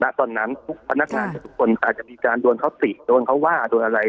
ตอนนั้นทุกพนักงานทุกคนอาจจะมีการโดนเขาติโดนเขาว่าโดนอะไร